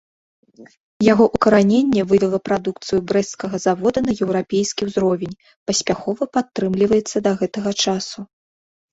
Яго ўкараненне вывела прадукцыю брэсцкага завода на еўрапейскі ўзровень, паспяхова падтрымліваецца да гэтага часу.